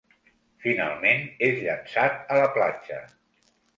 Finalment, és llançat a la platja.